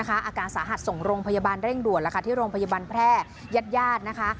อาการสาหัสส่งโรงพยาบาลเร่งรวดที่โรงพยาบาลแพร่ยาดนะคะ